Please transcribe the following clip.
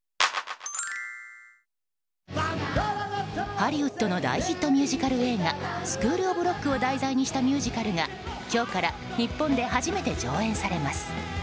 ハリウッドの大ヒットミュージカル映画「スクール・オブ・ロック」を題材にしたミュージカルが今日から日本で初めて上演されます。